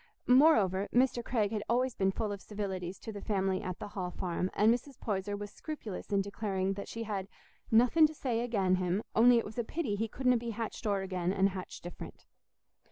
Moreover, Mr. Craig had always been full of civilities to the family at the Hall Farm, and Mrs. Poyser was scrupulous in declaring that she had "nothing to say again' him, on'y it was a pity he couldna be hatched o'er again, an' hatched different."